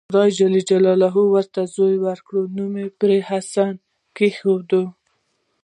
خدای ج ورته زوی ورکړ نوم یې پرې حسین کېښود.